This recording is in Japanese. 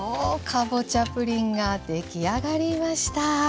かぼちゃプリンが出来上がりました。